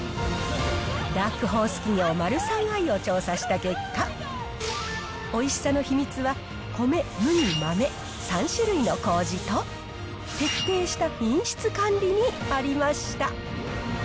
ダークホース企業、マルサンアイを調査した結果、おいしさの秘密は米、麦、豆、３種類のこうじと、徹底した品質管理にありました。